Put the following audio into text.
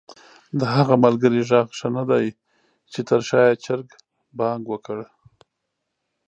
د هغه ملګري ږغ ښه ندی چې تر شا ېې چرګ بانګ وکړ؟!